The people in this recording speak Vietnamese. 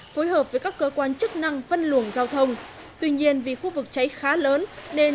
phối hợp với các cơ quan chức năng văn luồng giao thông tuy nhiên vì khu vực cháy khá lớn nên